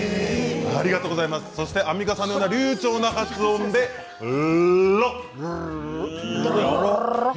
アンミカさんのような流ちょうな発音で「ろ」。